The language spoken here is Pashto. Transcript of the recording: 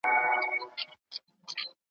ما یې قبر دی لیدلی چي په کاڼو وي ویشتلی ,